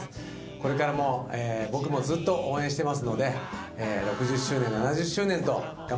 これからも僕もずっと応援してますので６０周年７０周年と頑張ってください。